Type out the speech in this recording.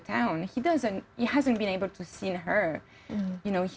dia tidak bisa melihatnya